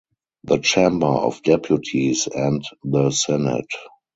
The Chamber of Deputies and the Senate.